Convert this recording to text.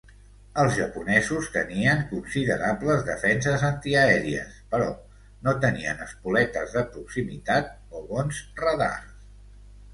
Els japonesos tenien considerables defenses antiaèries, però no tenien espoletes de proximitat o bons radars.